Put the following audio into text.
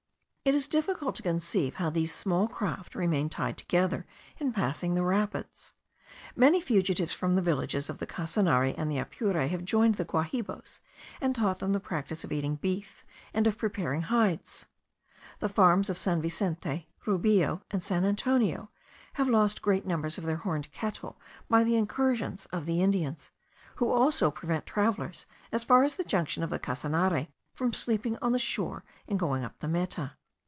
It is difficult to conceive how these small craft remain tied together in passing the rapids. Many fugitives from the villages of the Casanare and the Apure have joined the Guahibos, and taught them the practice of eating beef, and preparing hides. The farms of San Vicente, Rubio, and San Antonio, have lost great numbers of their horned cattle by the incursions of the Indians, who also prevent travellers, as far as the junction of the Casanare, from sleeping on the shore in going up the Meta.